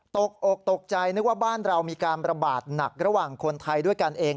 ตกอกตกใจนึกว่าบ้านเรามีการระบาดหนักระหว่างคนไทยด้วยกันเอง